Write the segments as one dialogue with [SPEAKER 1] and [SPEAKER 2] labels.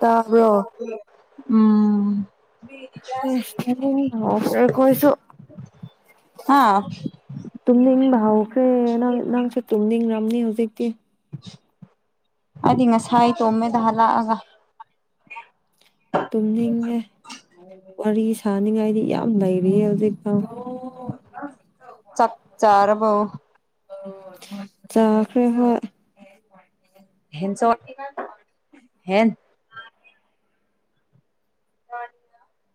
[SPEAKER 1] ꯇꯥꯕ꯭ꯔꯣ
[SPEAKER 2] [inaudible] ꯎꯝ
[SPEAKER 1] ꯑꯁ ꯇꯨꯝꯅꯤꯡꯕ ꯍꯧꯈ꯭ꯔꯦ ꯑꯩꯈꯣꯏꯁꯨ
[SPEAKER 2] [unintelligible]
[SPEAKER 1] ꯇꯨꯝꯅꯤꯡꯕ ꯍꯧꯈ꯭ꯔꯦ ꯅꯪ ꯅꯪꯁꯨ ꯇꯨꯝꯅꯤꯡ ꯔꯥꯝꯅꯤ ꯍꯧꯖꯤꯛ
[SPEAKER 2] ꯑꯗꯤ ꯉꯁꯥꯏ ꯇꯣꯃꯦꯗ ꯍ ꯂꯥꯛꯑꯒ
[SPEAKER 1] ꯇꯨꯝꯅꯤꯡꯉꯦ ꯋꯥꯔꯤ ꯁꯥꯅꯤꯡꯉꯥꯏꯗꯤ ꯌꯥꯝ ꯂꯩꯔꯤꯌꯦ ꯍꯧꯖꯤꯛꯐꯥꯎ
[SPEAKER 2] ꯆꯥꯛ ꯆꯥꯔꯕꯣ
[SPEAKER 1] ꯌꯥꯈ꯭ꯔꯦ ꯍꯣꯏ
[SPEAKER 2] ꯍꯦꯟ ꯆꯥꯎ ꯍꯦꯟ ꯑ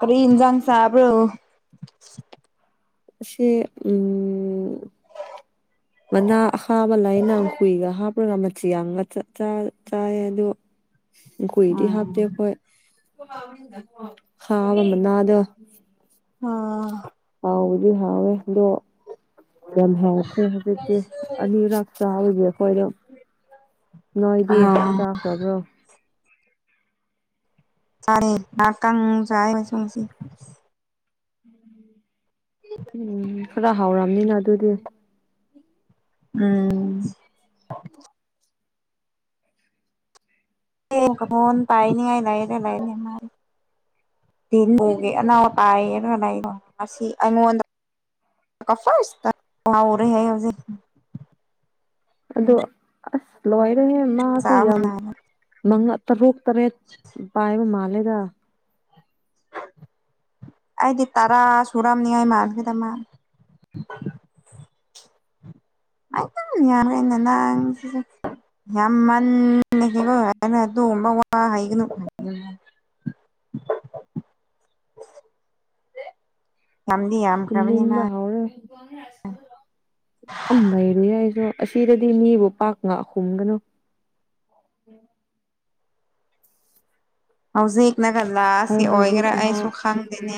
[SPEAKER 2] ꯑ ꯏꯟꯖꯥꯡ ꯆꯥꯕ꯭ꯔꯣ
[SPEAKER 1] ꯁꯤ ꯎ ꯃꯅꯥ ꯍꯥꯥꯕ ꯂꯥꯏꯅ ꯈꯨꯨꯏꯒ ꯍꯥꯞꯄꯔꯒ ꯃꯆꯤ ꯌꯥꯝꯒ ꯆꯥꯏ ꯑꯗꯨ ꯈꯨꯏꯗꯤ ꯍꯥꯞꯇꯦ ꯑꯩꯈꯣꯏ ꯈꯥꯕ ꯃꯅꯥꯗ
[SPEAKER 2] ꯑꯥ
[SPEAKER 1] ꯍꯥꯎꯗꯤ ꯍꯥꯎꯋꯦ ꯑꯗꯣ ꯌꯥꯝ ꯍꯦꯜꯉꯈ꯭ꯔꯦ ꯍꯧꯖꯤꯛꯇꯤ ꯑꯅꯤꯔꯛ ꯆꯥꯕꯁꯦ ꯑꯩꯈꯣꯏ ꯑꯗꯨꯝ ꯅꯣꯏꯗꯤ
[SPEAKER 2] ꯑꯥ
[SPEAKER 1] ꯆꯥꯈ꯭ꯔꯕ꯭ꯔꯣ
[SPEAKER 2] ꯇꯔꯦ ꯅꯥ ꯀꯪ ꯆꯑ ꯃ ꯁꯪꯁꯤ
[SPEAKER 1] ꯎꯝ ꯈꯔ ꯍꯥꯎꯔꯝꯅꯤꯅ ꯑꯗꯨꯗꯤ
[SPEAKER 2] ꯎꯝ ꯑꯦ ꯀꯣꯟ ꯄꯥꯏꯅꯤꯉꯥꯏ ꯂꯥꯏꯔꯦ ꯂꯥꯏꯅꯦꯦ ꯃꯥꯥꯏ ꯇꯤꯟꯒꯦ ꯑꯅꯥꯎ ꯇꯥꯏꯌꯦꯅ ꯈ ꯑꯩꯉꯣꯟꯗ ꯀꯐꯇꯔꯦ ꯍꯥꯏ ꯍꯧꯖꯤ
[SPEAKER 1] ꯑꯗꯣ ꯑꯁ ꯂꯣꯏꯔꯦ ꯃꯥꯁꯨ ꯌꯥꯝ
[SPEAKER 2] ꯆꯥꯕꯅ
[SPEAKER 1] ꯃꯉꯥ ꯇꯔꯨꯛ ꯇꯔꯦꯠ ꯄꯌꯦꯕꯨ ꯃꯥꯂꯦꯗ
[SPEAKER 2] ꯑꯩꯗꯤ ꯇꯔꯥ ꯁꯨꯔꯥꯝꯅꯤ ꯑꯩꯥꯏ ꯃꯥꯥꯟꯈꯦ ꯇꯃꯥꯟ ꯃꯤꯍꯥꯡ ꯂꯩꯅꯅ ꯌꯥꯝ ꯃꯟꯅꯟꯅ ꯑꯗꯨꯒꯨꯝꯕ ꯋꯥ ꯍꯩꯒꯅꯨ ꯉꯝꯗꯤ ꯌꯥꯝ
[SPEAKER 1] [unintelligible] ꯍꯥꯎꯔꯦ ꯑ ꯂꯩꯔꯨ ꯌꯥꯏꯁꯨ ꯑꯁꯤꯗꯗꯤ ꯃꯤꯕꯨ ꯄꯥꯛ ꯉꯥꯛ ꯍꯨꯝꯒꯅꯨ
[SPEAKER 2] ꯍꯧꯖꯤꯛꯅꯒ
[SPEAKER 1] ꯑꯩ
[SPEAKER 2] ꯂꯥꯁꯀꯤ
[SPEAKER 1] ꯍꯧꯖꯤꯛ
[SPEAKER 2] ꯑꯣꯏꯒꯦꯔꯥ
[SPEAKER 1] ꯑꯃ
[SPEAKER 2] ꯑꯩꯁꯨ ꯈꯪꯗꯦꯅꯤ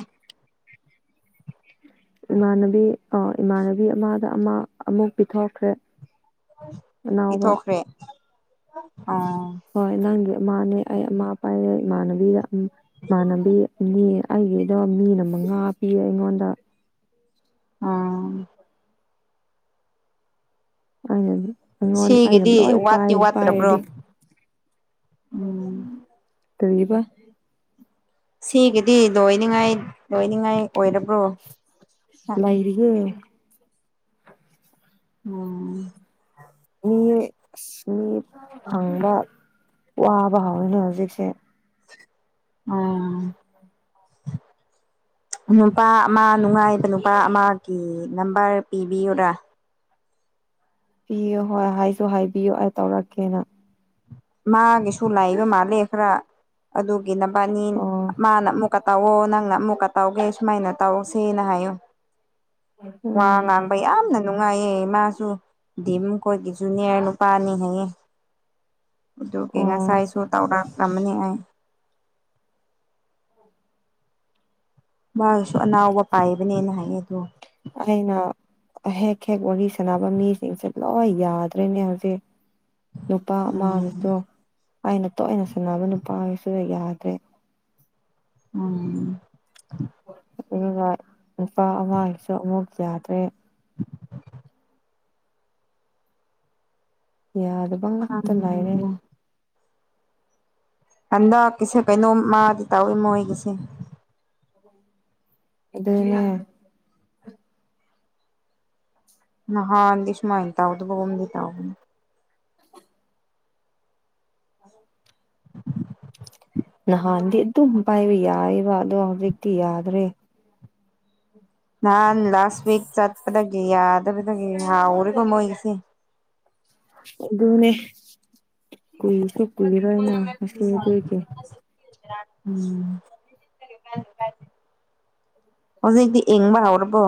[SPEAKER 1] ꯏꯃꯥꯟꯅꯕꯤ ꯑ ꯏꯃꯥꯟꯅꯕꯤ ꯑꯃꯗ ꯑꯃ ꯑꯃꯨꯛ ꯄꯤꯊꯣꯛꯈ꯭ꯔꯦ ꯑꯅꯥꯎꯕ
[SPEAKER 2] ꯄꯤꯊꯣꯛꯈ꯭ꯔꯦ ꯑꯣ
[SPEAKER 1] ꯍꯣꯏ ꯅꯪꯒꯤ ꯑꯃꯥꯅꯦ ꯑꯩ ꯑꯃꯥ ꯄꯥꯏꯔ ꯏꯃꯥꯟꯅꯕꯤꯗ ꯏꯃꯥꯟꯅꯕꯤ ꯃꯤ ꯑꯩꯒꯤꯗ ꯃꯤꯅ ꯃꯉꯥ ꯄꯤꯌꯦ ꯑꯩꯉꯣꯟꯗ
[SPEAKER 2] ꯎꯝ
[SPEAKER 1] ꯑꯩꯅ ꯑꯩꯉꯣꯟ ꯑꯩꯅ
[SPEAKER 2] ꯁꯤꯒꯤꯗꯤ
[SPEAKER 1] ꯂꯣꯏ ꯄꯥꯏ
[SPEAKER 2] ꯋꯥꯠꯇꯤ ꯋꯥꯠꯇ꯭ꯔꯕ꯭ꯔꯣ
[SPEAKER 1] ꯄꯥꯏꯔꯗꯤ
[SPEAKER 2] ꯎꯝ
[SPEAKER 1] ꯇꯔꯤꯕ
[SPEAKER 2] ꯁꯤꯒꯤꯗꯤ ꯂꯣꯏꯅꯤꯡꯉꯥꯏ ꯂꯣꯏꯅꯤꯡꯉꯥꯏ ꯑꯣꯏꯔꯕ꯭ꯔꯣ
[SPEAKER 1] ꯂꯩꯔꯤꯌꯦ
[SPEAKER 2] ꯎꯝ
[SPEAKER 1] ꯃꯤ ꯑ ꯃꯤ ꯐꯪꯕ ꯋꯥꯕ ꯍꯧꯎꯋꯤꯅ ꯍꯧꯖꯤꯛꯁꯦ
[SPEAKER 2] ꯎꯝ
[SPEAKER 1] [inaudible]
[SPEAKER 2] ꯅꯨꯄꯥ ꯑꯃ ꯅꯨꯡꯉꯥꯏꯕ ꯅꯨꯄꯥ ꯑꯃꯒꯤ ꯅꯝꯕꯔ ꯄꯤꯕꯤꯌꯨꯗꯥ
[SPEAKER 1] ꯄꯤꯌꯨ ꯍꯣꯏ ꯍꯥꯏꯁꯨ ꯍꯥꯏꯕꯤꯌꯨ ꯑꯩ ꯇꯧꯔꯛꯀꯦꯅ
[SPEAKER 2] ꯃꯥꯒꯤꯁꯨ ꯂꯩꯥꯏꯕ ꯃꯥꯜꯂꯦ ꯈꯔ ꯑꯗꯨꯒꯤ ꯅꯅꯕꯅꯤ
[SPEAKER 1] ꯑꯣ
[SPEAKER 2] ꯃꯥꯅ ꯑꯃꯨꯛꯀ ꯇꯥꯛꯑꯣ ꯅꯪꯅ ꯑꯃꯨꯛꯀ ꯇꯧꯒꯦ ꯁꯨꯃꯥꯏꯅ ꯇꯧꯁꯦꯅ ꯍꯥꯏꯌꯨ ꯋꯥ
[SPEAKER 1] ꯎꯝ
[SPEAKER 2] ꯉꯥꯡ ꯌꯥꯝꯅ ꯅꯨꯡꯉꯥꯏꯌꯦ ꯏꯃꯥꯁꯨ ꯗꯤꯝ ꯀꯣꯠꯀꯤꯁꯨꯨꯅꯦꯔ ꯅꯨꯄꯥꯅꯤ ꯍꯥꯏꯌꯦ ꯑꯗꯨꯒꯤ
[SPEAKER 1] ꯑꯣ
[SPEAKER 2] ꯉꯁꯥꯏꯁꯨ ꯇꯧꯔꯛꯂꯝꯕꯅꯤ ꯑꯩ ꯃꯥꯒꯁꯨ ꯑꯅꯥꯎꯕ ꯄꯥꯏꯕꯅꯦꯅ ꯍꯥꯏꯌꯦ ꯑꯗꯣ
[SPEAKER 1] ꯑꯩꯅ ꯍꯦꯛ ꯍꯦꯛ ꯋꯥꯔꯤ ꯁꯥꯟꯅꯕ ꯃꯤꯁꯤꯡꯁꯦ ꯂꯣꯏ ꯌꯥꯗ꯭ꯔꯦꯅꯦ ꯍꯧꯖꯤꯛ ꯅꯨꯄꯥ
[SPEAKER 2] ꯎꯝ
[SPEAKER 1] ꯑꯃꯅꯁꯨ ꯑꯩꯅ ꯇꯣꯏꯅ ꯁꯥꯟꯅꯕ ꯅꯨꯄꯥꯒꯤꯁꯨ ꯌꯥꯗ꯭ꯔꯦ
[SPEAKER 2] ꯎꯝ
[SPEAKER 1] ꯑꯗꯨꯒ ꯅꯨꯄꯥ ꯑꯃꯁꯨ ꯑꯃꯨꯛ ꯌꯥꯗ꯭ꯔꯦ ꯌꯥꯗꯕ ꯉꯥꯛꯇ ꯉꯥꯏꯔꯦ
[SPEAKER 2] ꯈꯪꯗꯦ ꯍꯟꯗꯛꯀꯤꯁꯦ ꯀꯩꯅꯣꯝ ꯃꯥꯗꯤ ꯇꯧꯏ ꯃꯣꯏꯒꯤꯁꯦ
[SPEAKER 1] ꯑꯗꯨꯗ
[SPEAKER 2] ꯍꯥ ꯑꯗꯤꯁ ꯃꯥ ꯏꯟ ꯇꯥꯎꯗꯕꯗ ꯇ
[SPEAKER 1] [inaudible] ꯅꯍꯥꯟꯗꯤ ꯑꯗꯨꯝ ꯄꯥꯏꯕ ꯌꯥꯏꯕ ꯑꯗꯣ ꯍꯧꯖꯤꯛꯇꯤ ꯌꯥꯗ꯭ꯔꯦ
[SPEAKER 2] ꯅꯍꯥꯟ ꯂꯥꯁ ꯋꯤꯛ ꯆꯠꯄꯗꯒꯤ ꯌꯥꯗꯕꯗꯒꯤ ꯍꯥꯎꯔꯦꯀꯣ ꯃꯣꯏꯒꯤꯁꯦ
[SPEAKER 1] ꯑꯗꯨꯅꯦ ꯀꯨꯏꯁꯨ ꯀꯨꯏꯔꯣꯏꯅ ꯉꯁꯤ ꯑꯗꯨꯏꯒꯤ
[SPEAKER 2] [inaudible] ꯍꯧꯖꯤꯛꯇꯤ ꯏꯪꯕ ꯍꯧꯎꯔꯕꯣ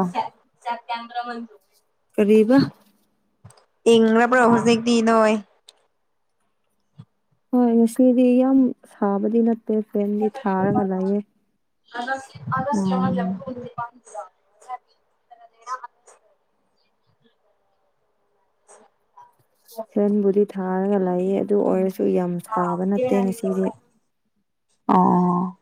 [SPEAKER 1] ꯀꯔꯤꯕ
[SPEAKER 2] ꯏꯪꯂꯕ ꯍꯧꯖꯤꯛꯗꯤ ꯅꯣꯏ
[SPEAKER 1] ꯍꯣꯏ ꯉꯁꯤꯗꯤ ꯌꯥꯝ ꯁꯥꯕꯗꯤ ꯅꯠꯇꯦ ꯐꯦꯟꯗꯤ ꯊꯥꯔꯒ ꯂꯩꯌꯦ
[SPEAKER 2] [unintelligible] [inaudible]
[SPEAKER 1] ꯁꯦꯟꯕꯨꯗꯤ ꯊꯥꯔꯒ ꯂꯩꯌꯦ ꯑꯗꯨ ꯑꯣꯏꯔꯁꯨ ꯌꯥꯝ ꯁꯥꯕ ꯅꯠꯇꯦ ꯉꯁꯤꯒꯤꯗꯤ
[SPEAKER 2] ꯑꯣ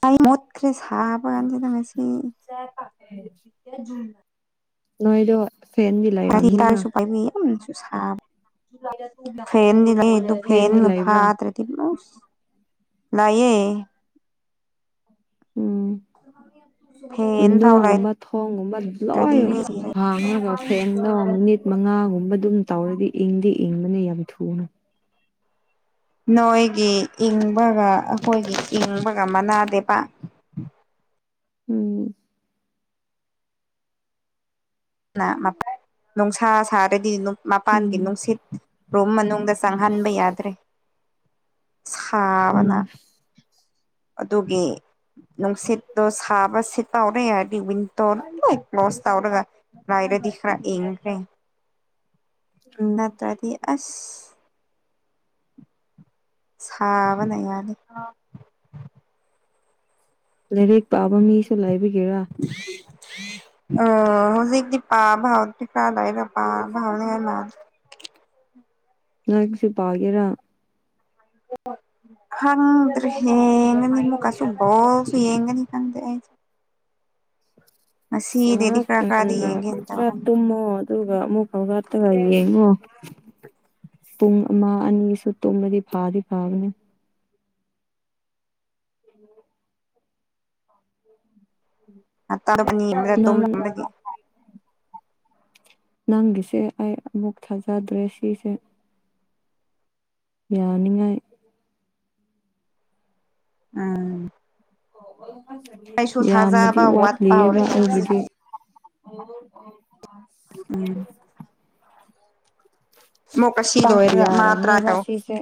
[SPEAKER 2] ꯇꯥꯏ ꯃꯣꯠꯈꯔꯤꯦ ꯁꯥꯥꯕꯒꯥꯟ ꯆꯗꯁꯤ
[SPEAKER 1] ꯅꯣꯏꯗ
[SPEAKER 2] ꯍ ꯇꯔꯁꯨ ꯄꯥꯏꯕꯤꯁꯨ ꯁꯥ ꯐ
[SPEAKER 1] ꯐꯦꯟꯗꯤ
[SPEAKER 2] ꯑꯗꯨꯗꯨꯐꯦꯟꯗꯅ
[SPEAKER 1] ꯂꯩꯕ꯭ꯔꯥ
[SPEAKER 2] ꯐꯥꯠꯇ꯭ꯔꯦꯗꯤ ꯂꯑꯌꯦ
[SPEAKER 1] ꯎꯝ
[SPEAKER 2] ꯐꯦꯟ ꯐꯥꯎ
[SPEAKER 1] ꯋꯤꯟꯗꯣꯒꯨꯝꯕ ꯊꯣꯡꯒꯨꯝꯕ
[SPEAKER 2] ꯂꯩꯇ꯭ꯔꯗꯤ
[SPEAKER 1] ꯂꯣꯏ
[SPEAKER 2] ꯃꯤ ꯁꯤꯔꯦ
[SPEAKER 1] ꯍꯥꯡꯉꯒ ꯐꯦꯟꯗꯣ ꯃꯤꯅꯤꯠ ꯃꯉꯥꯒꯨꯝꯕ ꯑꯗꯨꯝ ꯇꯧꯔꯗꯤ ꯏꯪꯗꯤ ꯏꯪꯕꯅꯦ ꯌꯥꯝ ꯊꯨꯅ
[SPEAKER 2] ꯅꯣꯏꯒꯤ ꯏꯪꯕꯒ ꯑꯩꯈꯣꯏꯒꯤ ꯏꯪꯕꯒ ꯃꯅꯥꯗꯦꯕ
[SPEAKER 1] ꯎꯝ
[SPEAKER 2] ꯅꯨꯡꯁꯥ ꯁꯥꯔꯗꯤ ꯃꯄꯥꯟꯒꯤ
[SPEAKER 1] ꯎꯝ
[SPEAKER 2] ꯅꯨꯡꯁꯤꯠ ꯔꯨꯝ ꯃꯅꯨꯡꯗ ꯆꯪꯍꯟꯕ ꯌꯥꯗ꯭ꯔꯦ
[SPEAKER 1] ꯎꯝ
[SPEAKER 2] ꯁꯥꯕꯅ ꯑꯗꯨꯒꯤ ꯅꯨꯡꯁꯤꯠꯇꯣ ꯁꯥꯕꯁꯦ ꯇꯧꯔꯦ ꯍꯥꯏꯔꯗꯤ ꯋꯤꯟꯗꯣ ꯂ ꯀ꯭ꯂꯣꯁ ꯇꯧꯔꯒ ꯂꯥꯏꯔꯦꯗꯤ ꯈ꯭ꯔꯥ ꯌꯦꯡꯈ꯭ꯔꯦ
[SPEAKER 1] ꯎꯝ
[SPEAKER 2] ꯅꯠꯇ꯭ꯔꯗꯤ ꯑꯁ ꯁꯥꯕꯅꯅꯤ
[SPEAKER 1] ꯂꯥꯏꯔꯤꯛ ꯄꯥꯕ ꯃꯤꯁꯨ ꯂꯥꯏꯕꯤꯒꯦꯔꯥ
[SPEAKER 2] ꯑꯣ ꯍꯧꯖꯤꯛꯛꯇꯄꯥꯚꯥꯎ ꯇꯄꯥ ꯑꯗꯥꯥꯏꯗꯄꯄꯥ ꯥꯎ ꯍꯥꯏꯦ ꯃꯥ
[SPEAKER 1] ꯂꯁꯤꯄꯒꯦꯔ [inaudible]
[SPEAKER 2] ꯈꯪꯗ꯭ꯔꯦ ꯍꯦꯉꯅꯤꯃ ꯀꯁꯨꯕꯣꯁꯨ ꯌꯦꯦꯉꯅꯤ ꯈꯪ꯭ꯔꯦ
[SPEAKER 1] ꯉ
[SPEAKER 2] ꯉꯁꯤꯗꯩꯗꯤ ꯈꯔ ꯈꯔꯗꯤ
[SPEAKER 1] ꯉ
[SPEAKER 2] ꯌꯦꯡꯒꯦꯅ
[SPEAKER 1] ꯀ꯭ꯔ
[SPEAKER 2] ꯇꯧꯔꯝꯃꯤ
[SPEAKER 1] ꯇꯃꯣ ꯑꯗꯨꯒ ꯑꯃꯨꯛꯥꯎꯒꯠꯇꯕ ꯌꯦꯉꯣ ꯄꯨꯡ ꯑꯃ ꯑꯅꯤꯁꯨ ꯇꯨꯝꯂꯗꯤ ꯐꯥꯗꯤ ꯐꯥꯕꯅꯤ
[SPEAKER 2] ꯇꯥꯔꯕ ꯅ ꯑꯃꯒ
[SPEAKER 1] ꯅꯪ
[SPEAKER 2] ꯇꯣꯝꯝꯕꯒꯤ
[SPEAKER 1] ꯅꯪꯒꯤꯁꯦ ꯑꯩ ꯑꯃꯨꯛ ꯊꯥꯖꯗ꯭ꯔꯦ ꯁꯤꯁꯦ ꯌꯥꯅꯤꯡꯉꯥꯏ
[SPEAKER 2] ꯎꯝ ꯑꯩꯁꯨ
[SPEAKER 1] ꯌꯥꯝꯅꯗꯤ
[SPEAKER 2] ꯊꯥꯖꯕ ꯋꯥꯠꯄ
[SPEAKER 1] ꯋꯥꯠꯂꯤꯑꯕ
[SPEAKER 2] ꯍꯧꯔꯦꯗ
[SPEAKER 1] ꯑꯩꯒꯤꯗꯤ
[SPEAKER 2] ꯍꯧꯖꯤꯛꯇꯤ
[SPEAKER 1] ꯑꯣ
[SPEAKER 2] ꯎꯝ ꯃꯣꯛꯀ ꯁꯤ
[SPEAKER 1] ꯄꯥꯛ
[SPEAKER 2] ꯂꯣꯢꯔꯒ ꯃꯥ ꯇꯔꯥꯢ
[SPEAKER 1] ꯌꯥꯔꯕꯅꯦꯕ
[SPEAKER 2] ꯇꯧ
[SPEAKER 1] ꯁꯤꯁꯦ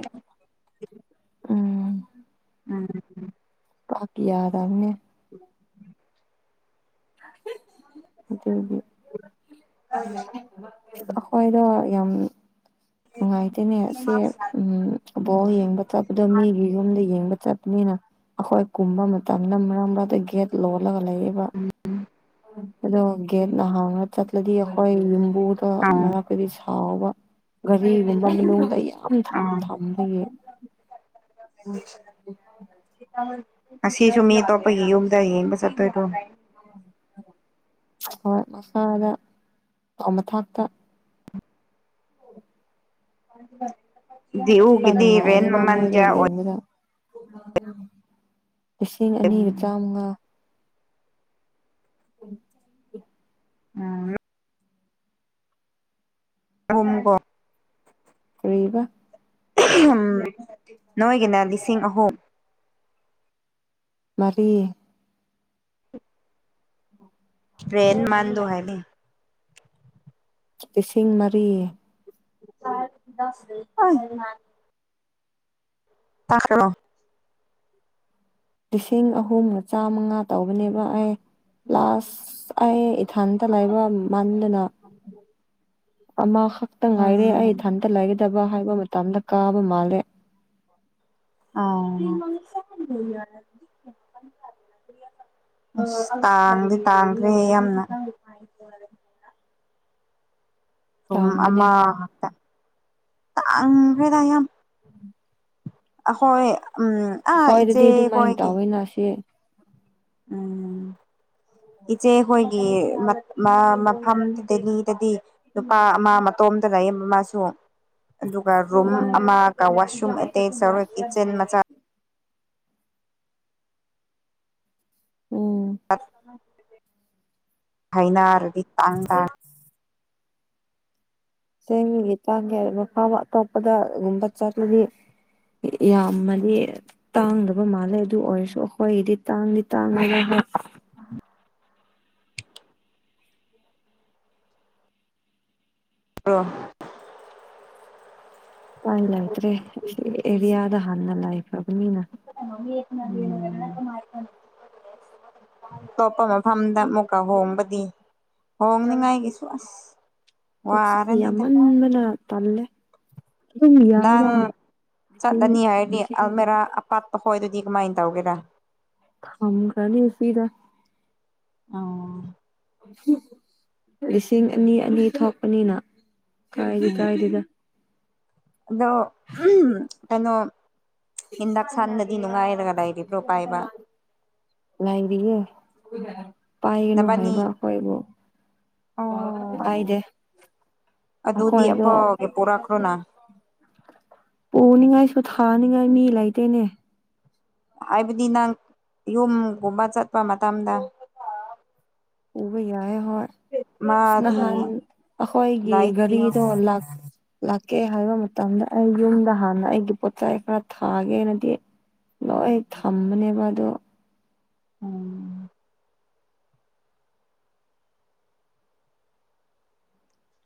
[SPEAKER 1] ꯎꯝ
[SPEAKER 2] ꯎꯝ ꯎꯝ
[SPEAKER 1] ꯄꯥꯛ ꯌꯥꯗꯝꯅꯦ
[SPEAKER 2] ꯎꯝ [inaudible]
[SPEAKER 1] ꯑꯗꯨꯒꯤ ꯑꯈꯣꯏꯗꯣ ꯌꯥꯝ ꯅꯨꯡꯉꯥꯏꯇꯦꯅꯦ ꯁꯦ ꯎꯝ ꯕꯣ ꯌꯦꯡꯕ ꯆꯠꯄꯗꯣ ꯃꯤꯒꯤ ꯌꯨꯝꯗ ꯌꯦꯡꯕ ꯆꯠꯄꯅꯤꯅ ꯑꯩꯈꯣꯏ ꯀꯨꯝꯕ ꯃꯇꯝꯗ ꯃꯔꯛ ꯃꯔꯛꯇ ꯒꯦꯠ ꯂꯣꯜꯂꯒ ꯂꯩꯌꯦꯕ
[SPEAKER 2] ꯎꯝ
[SPEAKER 1] ꯑꯗꯣ ꯒꯦꯠ ꯅꯍꯥꯡꯅ ꯆꯠꯂꯗꯤ ꯑꯩꯈꯣꯏ ꯌꯨꯝꯕꯨꯗꯛ
[SPEAKER 2] ꯑꯥ
[SPEAKER 1] ꯀꯔꯤ ꯁꯥꯎꯕ ꯒꯥꯔꯤꯒꯨꯝꯕ ꯃꯅꯨꯡꯗ ꯊꯝ ꯊꯝ
[SPEAKER 2] ꯑꯥ
[SPEAKER 1] ꯊꯝꯕꯒꯤ ꯎꯝ
[SPEAKER 2] ꯑꯁꯤꯁꯨ ꯃꯤ ꯑꯇꯣꯞꯄꯒꯤ ꯌꯨꯝꯗ ꯌꯦꯡꯕ ꯆꯠꯇꯣꯏꯗꯣ
[SPEAKER 1] ꯍꯣꯏ ꯃꯁꯥꯗ ꯃꯊꯥꯛꯇ ꯈꯔ
[SPEAKER 2] ꯗꯤꯎꯒꯗꯤ ꯔꯦꯟ
[SPEAKER 1] ꯅꯨꯡꯉꯥꯏꯌꯦꯕ
[SPEAKER 2] ꯃꯃꯥꯟ
[SPEAKER 1] ꯃꯣꯏꯗ
[SPEAKER 2] ꯀ
[SPEAKER 1] ꯌꯦꯡꯕꯗ ꯂꯤꯁꯤꯡ ꯑꯅꯤꯒ ꯇꯥꯃꯉꯥ ꯎꯝ
[SPEAKER 2] ꯎꯝ ꯍꯝꯒꯣ [inaudible]
[SPEAKER 1] ꯀꯩꯕ
[SPEAKER 2] ꯅꯣꯏꯒꯤꯅ ꯂꯤꯁꯤꯡ ꯑꯍꯨꯝ
[SPEAKER 1] ꯃꯔꯤ
[SPEAKER 2] ꯔꯦꯟ ꯃꯥꯥꯟꯗꯣ ꯍꯥꯏꯅꯦ
[SPEAKER 1] ꯂꯤꯁꯤꯡ ꯃꯔꯤ
[SPEAKER 2] ꯑꯁ ꯄꯥꯈꯔ [inaudible]
[SPEAKER 1] ꯂꯤꯁꯤꯡ ꯑꯍꯨꯝꯒ ꯆꯥꯃꯉꯥ ꯇꯧꯕꯅꯦꯕ ꯑꯩ ꯑꯁ ꯑꯩ ꯏꯊꯥꯟꯇ ꯂꯩꯥꯃꯟꯗꯅ ꯑꯃ ꯈꯛꯇ ꯉꯥꯏꯔꯦ ꯑꯩ
[SPEAKER 2] ꯎꯝ
[SPEAKER 1] ꯏꯊꯟꯇ ꯂꯩꯒꯗꯕ ꯍꯥꯏꯕ ꯃꯇꯝꯗ ꯀꯥꯕ ꯃꯥꯜꯂꯦ
[SPEAKER 2] ꯑꯥ ꯑꯁ ꯇꯥꯡꯗꯤ ꯇꯥꯡꯈ꯭ꯔꯦ ꯌꯥꯝꯅ ꯔꯦ [inaudible] ꯄꯦꯡ
[SPEAKER 1] ꯇꯥꯡꯕꯅꯦ
[SPEAKER 2] ꯑꯃ ꯇꯥꯡꯈꯔꯦꯗ ꯌꯥꯝꯅ
[SPEAKER 1] ꯎꯝ [inaudible]
[SPEAKER 2] ꯍꯣꯏ ꯎꯝ ꯑꯥ ꯏꯆꯦ ꯈꯣꯏꯒꯦ
[SPEAKER 1] ꯅꯆꯦ
[SPEAKER 2] ꯎꯝ ꯏꯆꯦ ꯍꯣꯏ ꯃꯐꯝ ꯗꯦꯜꯂꯤꯗꯗꯤ ꯅꯨꯄꯥ ꯑꯃ ꯃꯇꯣꯝꯇ ꯂꯩꯌꯦꯕ ꯃꯁꯨ ꯑꯗꯨꯒ ꯔꯨꯝ
[SPEAKER 1] ꯎꯝ
[SPEAKER 2] ꯑꯃꯒ ꯋꯥꯁꯔꯨꯝ ꯑꯦꯇꯦꯁ ꯇꯧꯋꯦ ꯀꯤꯠꯆꯟ ꯃꯆꯥ
[SPEAKER 1] ꯎꯝ
[SPEAKER 2] ꯑ [inaudible] ꯍꯥꯏꯅꯔ ꯢꯇꯥꯡ ꯇꯥꯡꯢ
[SPEAKER 1] ꯆꯤꯡꯒꯤ ꯌꯦꯟꯁꯥꯡꯗꯤ ꯃꯐꯝ ꯑꯇꯣꯞꯄꯗꯒꯨꯝꯕ ꯆꯠꯂꯗꯤ ꯌꯥꯝꯃꯗꯤ ꯇꯥꯡꯗꯕ ꯃꯥꯜꯂꯦ ꯑꯗꯨ ꯑꯣꯏꯔꯁꯨ ꯑꯩꯈꯣꯏꯗꯤ ꯇꯥꯡꯗꯤ ꯇꯥꯡꯗꯦꯗ ꯍꯣꯢ
[SPEAKER 2] ꯎꯝ ꯍꯣ [inaudible]
[SPEAKER 1] ꯎꯄꯥꯏ ꯂꯩꯇ꯭ꯔꯦ ꯑꯦꯔꯤꯌꯥꯗ ꯍꯥꯟꯅ ꯂꯥꯏꯈ꯭ꯔꯕꯅꯤꯅ
[SPEAKER 2] ꯅ ꯂ ꯃꯥ [inaudible] ꯑꯇꯣꯞꯄ ꯃꯐꯝꯗ ꯑꯃꯨꯛꯒ ꯍꯣꯡꯕꯗꯤ ꯍꯣꯡꯅꯤꯡꯉꯥꯏꯒꯤꯁꯨ ꯑꯁ
[SPEAKER 1] ꯄꯣꯠꯆꯩ
[SPEAKER 2] ꯋꯥꯔꯅꯤꯗ
[SPEAKER 1] ꯌꯥꯝꯃꯟꯕꯅ ꯇꯜꯂꯦ ꯑꯗꯨꯝ
[SPEAKER 2] ꯅꯪ
[SPEAKER 1] ꯌꯥꯏꯗ ꯂꯤꯁꯤꯡ
[SPEAKER 2] ꯆꯠꯂꯅꯤ ꯍꯥꯏꯔꯗꯤ
[SPEAKER 1] ꯂꯤꯁꯤꯡ
[SPEAKER 2] ꯑꯜꯃꯦꯔꯥ ꯑꯄꯥꯠꯄ ꯍꯣꯏꯗꯨꯗꯤ ꯀꯃꯥꯏꯅ ꯇꯧꯒꯦꯔꯥ
[SPEAKER 1] ꯊꯝꯈꯔꯅꯤ ꯐꯤꯔꯗ
[SPEAKER 2] ꯑꯥꯎ
[SPEAKER 1] ꯂꯤꯁꯤꯡ ꯑꯅꯤ ꯑꯅꯤ ꯊꯣꯛꯄꯅꯤꯅ ꯀꯥꯏꯗꯤ
[SPEAKER 2] ꯎꯝ
[SPEAKER 1] ꯀꯥꯏꯗꯦꯗ
[SPEAKER 2] ꯑꯗꯣ ꯎꯝ ꯀꯩꯅꯣ ꯏꯤꯗꯥꯛ ꯁꯟꯗꯗꯤ ꯅꯨꯡꯉꯥꯏꯔꯒ ꯂꯩꯔꯕꫭ ꯄꯥꯏꯕ
[SPEAKER 1] ꯂꯩꯔꯤꯌꯦ ꯄꯥꯏꯒꯅꯨ
[SPEAKER 2] ꯅꯕꯥꯅꯤ
[SPEAKER 1] ꯍꯥꯏꯕ ꯑꯩꯈꯣꯏꯕꯨ
[SPEAKER 2] ꯑꯣ
[SPEAKER 1] ꯄꯥꯏꯗꯦ
[SPEAKER 2] ꯑꯗꯨꯗꯤ
[SPEAKER 1] ꯑꯩꯈꯣꯏꯗꯣ
[SPEAKER 2] ꯑꯐꯥꯎꯒꯤ ꯄꯣꯔꯛꯈ꯭ꯔꯣꯅ
[SPEAKER 1] ꯄꯅꯤꯡꯉꯥꯏꯁꯨ ꯊꯥꯅꯤꯡꯉꯥꯏ ꯃꯤ ꯂꯩꯇꯦꯅꯦ
[SPEAKER 2] ꯍꯥꯏꯕꯗꯤ ꯅꯪ ꯌꯨꯝꯒꯨꯝꯕ ꯆꯠꯄ ꯃꯇꯝꯗ
[SPEAKER 1] ꯎꯕ ꯌꯥꯏ ꯍꯣꯏ
[SPEAKER 2] ꯃꯥꯗꯤ
[SPEAKER 1] ꯅꯍꯥꯟ ꯑꯩꯈꯣꯏꯒꯤ
[SPEAKER 2] ꯂꯥꯏꯛ ꯄꯤꯌꯨ
[SPEAKER 1] ꯒꯥꯔꯤꯗꯣ ꯂꯄ ꯂꯥꯛꯀꯦ ꯍꯥꯏꯕ ꯃꯇꯝꯗ ꯑꯩ ꯌꯨꯝꯗ ꯍꯥꯟꯅ ꯑꯩꯒꯤ ꯄꯣꯠꯆꯥꯏ ꯈꯔ ꯊꯥꯒꯦꯅꯗꯤ ꯂꯣꯏ ꯊꯝꯕꯅꯦꯕ ꯑꯗꯣ
[SPEAKER 2] ꯎꯝ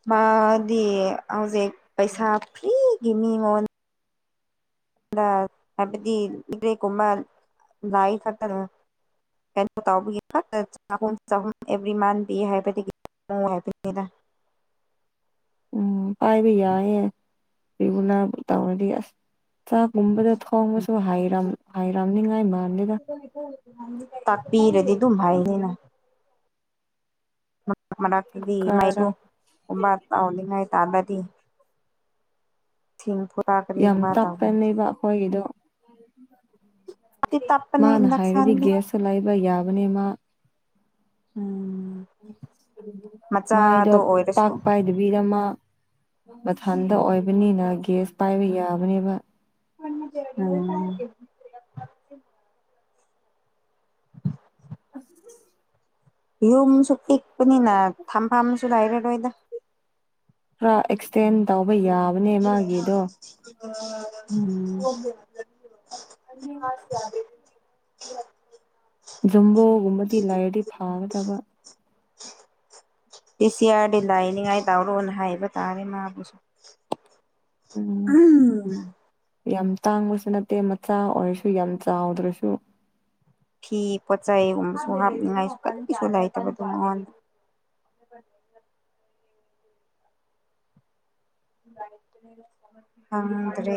[SPEAKER 2] ꯃꯥꯗꯤ ꯍꯧꯖꯤꯛ ꯄꯩꯁꯥ ꯐ꯭ꯔꯤꯒꯤ ꯃꯤꯉꯣꯟ UNINTELLIGIBLE ꯍꯥꯏꯕꯗꯤ ꯏ꯭ꯔꯦ ꯀꯨꯕ ꯂꯥꯏꯐꯇꯗ ꯀꯩꯅꯣ ꯇꯧꯕꯒꯤ ꯈꯠꯇ ꯆꯍꯨꯝ ꯆꯍꯨꯝ ꯑꯦꯕ꯭ꯔꯤ ꯃꯥꯟ ꯕꯤꯌꯦ ꯍꯥꯏꯕꯗꯒꯤ ꯑꯣ ꯍꯥꯏꯄꯅꯤꯗ
[SPEAKER 1] ꯎꯝ ꯄꯥꯏꯕꯤ ꯌꯥꯏꯑꯦ UNINTELLIGIBLE ꯇꯧꯔꯗꯤ ꯑꯁ ꯆꯥꯛꯒꯨꯝꯕꯗ ꯊꯣꯡꯕꯁꯨ ꯍꯥꯏꯔꯝ ꯍꯥꯏꯔꯝꯅꯤꯉꯥꯏ ꯃꯥꯟꯗꯦꯗ
[SPEAKER 2] ꯇꯥꯛꯄꯤꯔꯗꯤ ꯑꯗꯨꯝ ꯍꯥꯏꯅꯤꯅꯥ ꯃꯅꯥꯛꯇꯗꯤ
[SPEAKER 1] ꯀꯨꯀꯔꯗ
[SPEAKER 2] ꯃꯩꯁꯨ ꯀꯝꯕ ꯇꯥꯎꯅꯤꯉꯥꯏ ꯇꯗꯥꯗꯤ ꯁꯤꯡ UNINTELLIGIBLE
[SPEAKER 1] ꯌꯥꯝ ꯇꯞꯄꯅꯦꯕ ꯑꯩꯈꯣꯏꯒꯤꯗꯣ
[SPEAKER 2] UNINTELLIGIBLE
[SPEAKER 1] ꯃꯥꯅ ꯍꯥꯏꯔꯗꯤ ꯒ꯭ꯌꯥꯁꯇ ꯂꯩꯕ ꯌꯥꯕꯅꯤ ꯃꯥ
[SPEAKER 2] ꯎꯝ
[SPEAKER 1] ꯃꯥꯥꯏꯗꯣ ꯄꯥꯛ ꯄꯥꯏꯗ ꯕꯤꯕꯗ ꯃꯥ ꯃꯊꯟꯗ ꯑꯣꯏꯕꯅꯤꯅ ꯒ꯭ꯌꯥꯁ ꯄꯥꯏꯕ ꯌꯥꯕꯅꯦꯕ
[SPEAKER 2] ꯎꯝ INAUDIBLE
[SPEAKER 1] ꯑꯁ
[SPEAKER 2] ꯌꯨꯝꯁꯨ ꯄꯤꯛꯄꯅꯤꯅ ꯊꯝꯐꯥꯝꯁꯨ ꯂꯩꯔꯔꯣꯏꯗ
[SPEAKER 1] ꯈꯔ ꯑꯦꯛꯁꯇꯦꯟ ꯇꯧꯕ ꯌꯥꯕꯅꯦ ꯃꯥꯒꯤꯗꯣ
[SPEAKER 2] ꯎꯝ UNINTELLIGIBLE
[SPEAKER 1] ꯖꯨꯝꯕꯣꯒꯨꯝꯕꯗꯤ ꯂꯥꯏꯔꯗꯤ ꯐꯥꯒꯗꯕ
[SPEAKER 2] ꯗꯤ ꯁꯤ ꯑꯥꯔ ꯗꯤ ꯂꯥꯏꯅꯤꯡꯉꯥꯏ ꯇꯧꯔꯣꯅ ꯍꯥꯏꯕ ꯇꯥꯔꯦ ꯃꯥꯕꯨꯁꯨ
[SPEAKER 1] ꯎꯝ
[SPEAKER 2] ꯎꯝ
[SPEAKER 1] ꯌꯥꯝ ꯇꯥꯡꯕꯁꯨ ꯅꯠꯇꯦ ꯃꯆꯥ ꯑꯣꯏꯔꯁꯨ ꯌꯥꯝ ꯆꯥꯎꯗ꯭ꯔꯁꯨ
[SPEAKER 2] ꯐꯤ ꯄꯣꯠꯆꯩꯒꯨꯝꯕꯁꯨ ꯍꯥꯞꯅꯤꯡꯉꯥꯏꯁꯨ ꯀꯔꯤꯁꯨ ꯂꯩꯇꯕꯗꯣ ꯃꯉꯣꯟꯗ ꯈꯪꯗ꯭ꯔꯦ